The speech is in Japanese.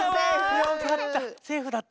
よかった。